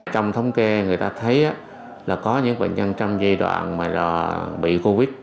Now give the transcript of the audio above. trong thống kê người ta thấy là có những bệnh nhân trong giai đoạn mà bị covid